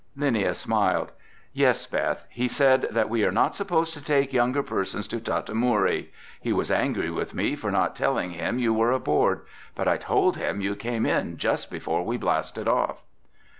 Linnia smiled. "Yes, Beth. He said that we are not supposed to take younger persons to Tata Moori. He was angry with me for not telling him you were aboard, but I told him you came in just before we blasted off."